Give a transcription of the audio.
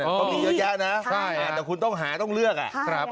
ต้องมีเยอะแยะนะแต่คุณต้องหาต้องเลือกอ่ะใช่ครับ